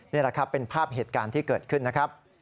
นี่แหละครับเป็นภาพเหตุการณ์ที่เกิดขึ้นนะครับ